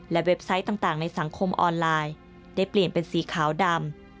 เว็บไซต์ต่างในสังคมออนไลน์ได้เปลี่ยนเป็นสีขาวดำ